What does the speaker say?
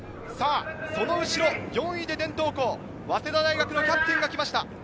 その後ろ、４位で伝統校・早稲田大学のキャプテンが来ました。